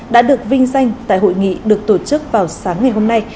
đã được vinh danh tại hội nghị được tổ chức vào sáng ngày hôm nay